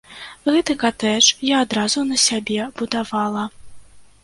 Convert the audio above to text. Гэты катэдж я адразу на сябе будавала.